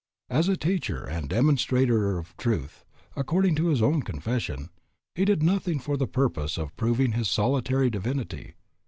As a teacher and demonstrator of truth, according to his own confession, he did nothing for the purpose of proving his solitary divinity.